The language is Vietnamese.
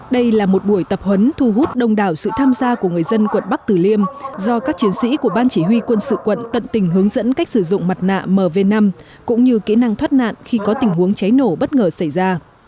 đây là một buổi tập huấn thu hút đông đảo sự tham gia của người dân quận bắc tử liêm do các chiến sĩ của ban chỉ huy quân sự quận tận tình hướng dẫn cách sử dụng mặt nạ mv năm cũng như kỹ năng thoát nạn khi có tình huống cháy nổ bất ngờ xảy ra